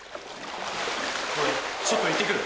俺ちょっと行ってくる。